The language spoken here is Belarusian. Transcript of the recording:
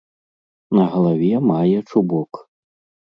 На галаве мае чубок.